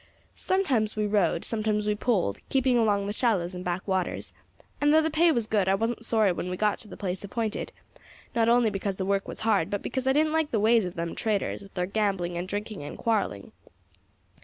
Sometimes we rowed, sometimes we poled, keeping along the shallows and back waters; and, though the pay was good, I wasn't sorry when we got to the place appointed; not only because the work was hard, but because I didn't like the ways of them traders, with their gambling, and drinking, and quarrelling.